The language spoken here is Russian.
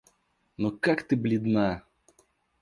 Но как ты бледна!